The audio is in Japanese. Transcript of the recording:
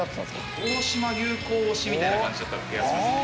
大島優子推しみたいな感じだった気がするんです。